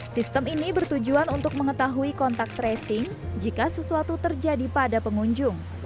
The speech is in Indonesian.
sistem ini bertujuan untuk mengetahui kontak tracing jika sesuatu terjadi pada pengunjung